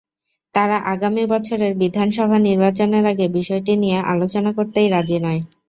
তারা আগামী বছরের বিধানসভা নির্বাচনের আগে বিষয়টি নিয়ে আলোচনা করতেই রাজি নয়।